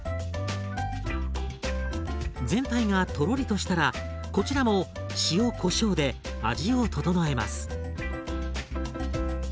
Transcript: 全体がとろりとしたらこちらも塩こしょうで味を調えます。